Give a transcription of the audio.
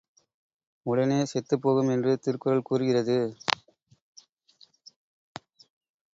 உடனே செத்துப் போகும் என்று திருக்குறள் கூறுகிறது.